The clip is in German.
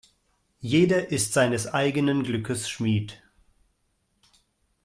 Jeder ist seines eigenen Glückes Schmied.